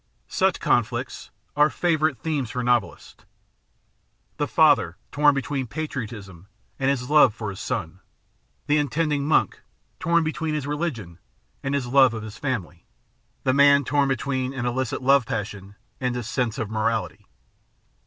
Such conflicts are favourite themes for novelists: the father torn between patriotism and his love for his son; the intending monk torn between his religion and his love of his family; the man torn between an illicit love passion and his sense of morality.